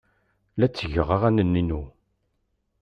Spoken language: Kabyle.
La ttgeɣ aɣanen-inu.